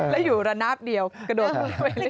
แล้วอยู่ระนาบเดียวกระโดดลงไปเลย